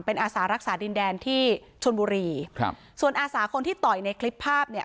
เป็นอาสารักษาดินแดนที่ชนบุรีครับส่วนอาสาคนที่ต่อยในคลิปภาพเนี่ย